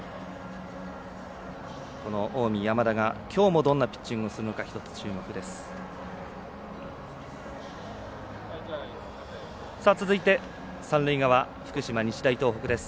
この近江、山田がきょうもどんなピッチングをするのか１つ注目です。